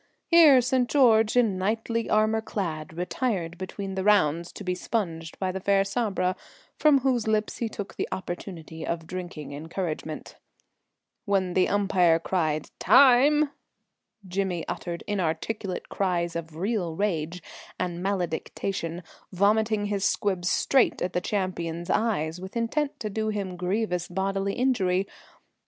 Here St. George, in knightly armour clad, retired between the rounds, to be sponged by the fair Sabra, from whose lips he took the opportunity of drinking encouragement. When the umpire cried "Time!" Jimmy uttered inarticulate cries of real rage and malediction, vomiting his squibs straight at the champion's eyes with intent to do him grievous bodily injury.